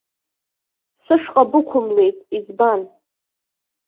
Сышҟа бықәымлеит, избан?